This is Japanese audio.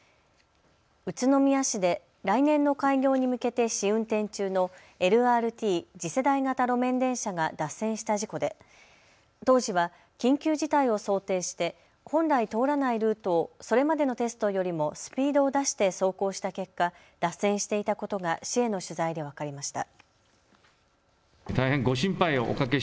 宇都宮市で来年の開業に向けて試運転中のＬＲＴ・次世代型路面電車が脱線した事故で、当時は緊急事態を想定して本来通らないルートをそれまでのテストよりもスピードを出して走行した結果、脱線していたことが市への取材で分かりました。